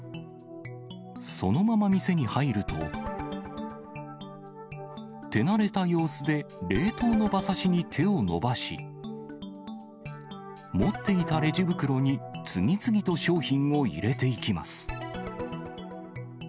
そのまま店に入ると、手慣れた様子で冷凍の馬刺しに手を伸ばし、持っていたレジ袋に次々と商品を入れていきます。